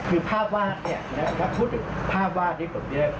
คือภาพวาดเนี่ยถ้าพูดถึงภาพวาดที่ผมเยอะ